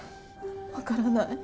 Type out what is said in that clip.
わからない。